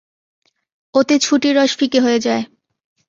ওতে ছুটির রস ফিকে হয়ে যায়।